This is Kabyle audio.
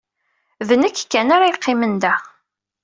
D nekk kan ara yeqqimen da.